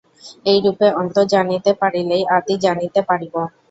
এইরূপে অন্ত জানিতে পারিলেই আদি জানিতে পারিব।